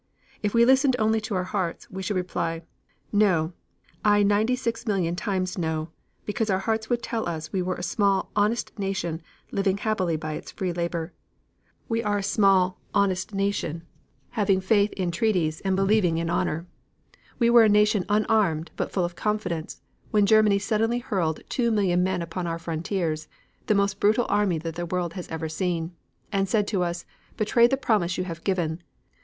If we listened only to our hearts, we should reply 'No I ninety six million times no! because our hearts would tell us we were a small, honest nation living happily by its free labor; we were a small, honest nation having faith in treaties and believing in honor; we were a nation unarmed, but full of confidence, when Germany suddenly hurled two million men upon our frontiers, the most brutal army that the world has ever seen, and said to us, 'Betray the promise you have given.